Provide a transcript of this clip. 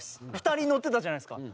２人乗ってたじゃないですか。